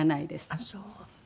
ああそう。